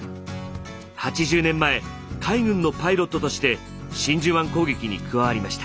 ８０年前海軍のパイロットとして真珠湾攻撃に加わりました。